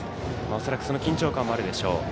恐らくその緊張感もあるでしょう。